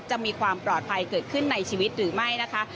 จะมีความปลอดภัยเกิดขึ้นในชีวิตหรือไม่นะคะ